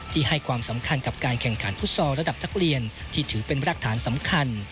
ให้ความสำคัญกับการแข่งขันฟุตซอลระดับนักเรียนที่ถือเป็นรักฐานสำคัญ